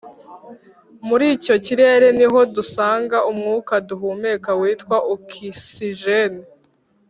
Muri icyo kirere ni ho dusanga umwuka duhumeka witwa okisijene